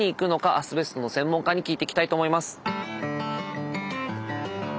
アスベストの専門家に聞いてきたいと思います！